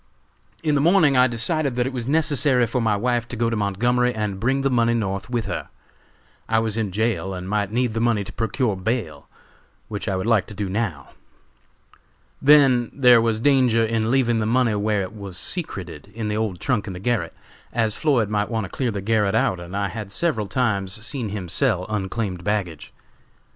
"In the morning I decided that it was necessary for my wife to go to Montgomery and bring the money North with her. I was in jail and might need the money to procure bail, which I would like to do now. Then, there was danger in leaving the money where it was secreted in the old trunk in the garret as Floyd might want to clear the garret out, and I had several times seen him sell unclaimed baggage.